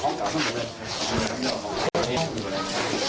หมาก็เห่าตลอดคืนเลยเหมือนมีผีจริง